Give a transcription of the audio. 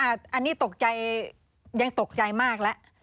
อันนี้ตกใจยังตกใจมากแล้ว